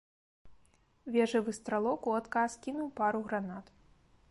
Вежавы стралок у адказ кінуў пару гранат.